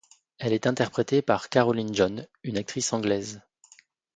Elle est interprétée par Caroline John, une actrice anglaise.